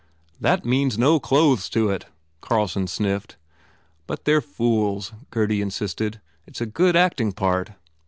"That means no clothes to it," Carlson sniffed. "But they re fools," Gurdy insisted, "It s a good acting part."